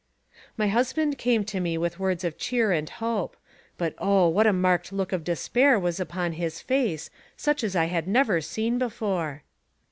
My husband came to me with words of cheer and hope, but oh ! what a marked look of despair was upon his face, such as I had never seen before.